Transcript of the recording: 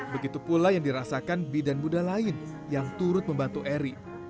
begitu pula yang dirasakan bidan muda lain yang turut membantu eri